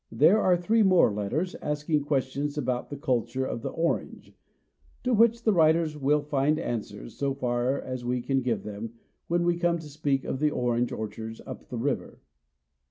There are three more letters, asking questions about the culture of the orange; to which the writers will find answers, so far as we can give them, when we come to speak of the orange orchards up the river.